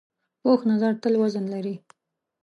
پوخ نظر تل وزن لري